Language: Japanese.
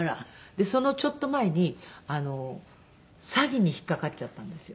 でそのちょっと前に詐欺に引っかかっちゃったんですよ。